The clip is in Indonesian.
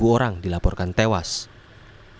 tiga puluh tiga orang dilakukan penyelamatan